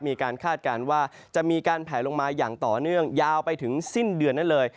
คาดการณ์ว่าจะมีการแผลลงมาอย่างต่อเนื่องยาวไปถึงสิ้นเดือนนั้นเลย